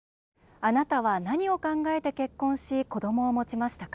あなたは何を考えて結婚し子どもを持ちましたか？